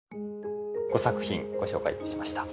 ５作品ご紹介いたしました。